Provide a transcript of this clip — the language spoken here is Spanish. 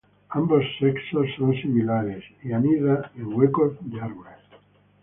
Ambos sexos son similares y anida en huecos de árboles.